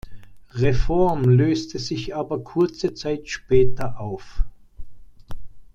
Reform löste sich aber kurze Zeit später auf.